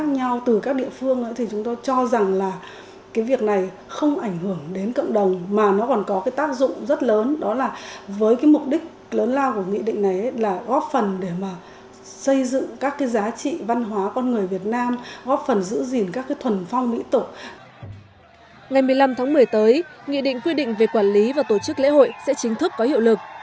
ngày một mươi năm tháng một mươi tới nghị định quy định về quản lý và tổ chức lễ hội sẽ chính thức có hiệu lực